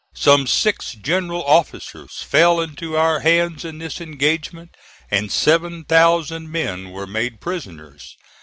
Some six general officers fell into our hands in this engagement, and seven thousand men were made prisoners.